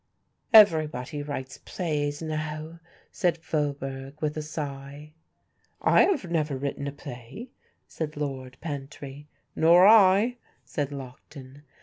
"Everybody writes plays now," said Faubourg, with a sigh. "I have never written a play," said Lord Pantry. "Nor I," said Lockton.